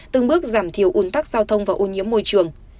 từng bước giảm thiểu un tắc giao thông và ô nhiễm môi trường